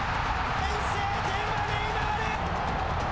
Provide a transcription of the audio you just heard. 決勝点はネイマール。